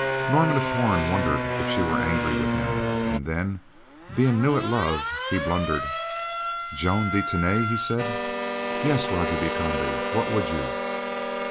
Norman of Torn wondered if she were angry with him and then, being new at love, he blundered. "Joan de Tany," he said. "Yes, Roger de Conde; what would you?"